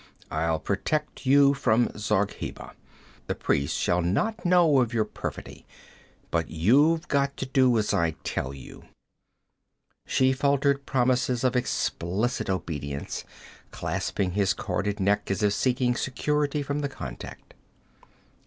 I'll protect you from Zargheba. The priests shall not know of your perfidy. But you've got to do as I tell you.' She faltered promises of explicit obedience, clasping his corded neck as if seeking security from the contact.